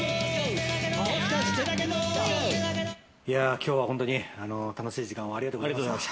今日は本当に楽しい時間をありがとうございました。